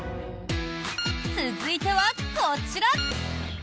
続いては、こちら。